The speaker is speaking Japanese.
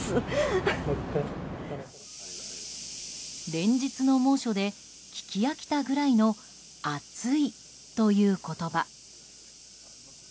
連日の猛暑で聞き飽きたぐらいの暑いという言葉。